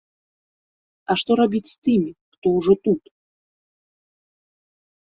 А што рабіць з тымі, хто ўжо тут?